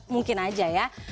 mungkin aja ya